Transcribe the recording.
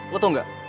lo tau gak